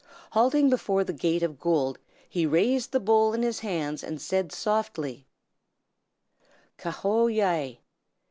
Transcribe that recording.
Halting before the gate of gold, he raised the bowl in his hands, and said softly: "Ka Ho Yai!